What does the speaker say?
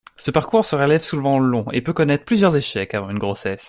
Ce parcours se révèle souvent long et peut connaître plusieurs échecs avant une grossesse.